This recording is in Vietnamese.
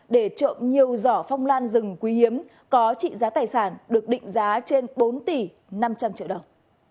để trộm nhiều giỏ phong lan rừng quý hiếm có trị giá tài sản được định giá trên bốn tỷ năm trăm linh triệu đồng